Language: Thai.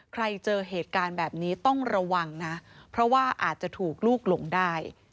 เจอเหตุการณ์แบบนี้ต้องระวังนะเพราะว่าอาจจะถูกลูกหลงได้